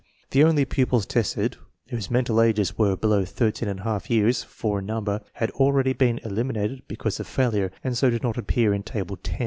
The only pupils tested whose mental ages were below 13J years (four in number), had already been eliminated because of failure, and so do not appear in Table 10.